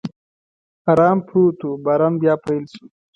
ارام پروت و، باران بیا پیل شو.